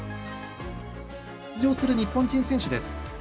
出場する日本人選手です。